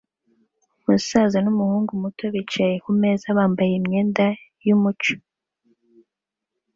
Umusaza n'umuhungu muto bicaye kumeza bambaye imyenda yumuco